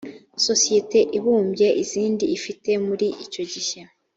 sosiyete ibumbye izindi ifite muri icyo gihe